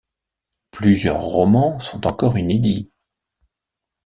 Plusieurs romans sont encore inédits.